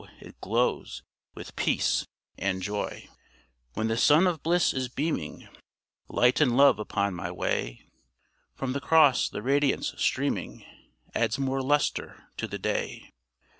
it glows with peace and joy. When the sun of bliss is beaming Light and love upon my way, From the Cross the radiance streaming Adds more lustre to the day.